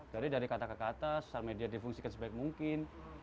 jadi dari kata ke kata sosial media difungsikan sebaik mungkin